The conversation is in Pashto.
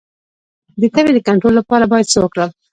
د تبې د کنټرول لپاره باید څه وکړم؟